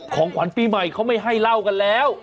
ของขวัญปีใหม่เขาไม่ให้เล่ากันแล้ว